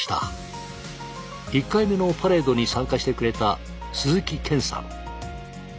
１回目のパレードに参加してくれた鈴木賢さん。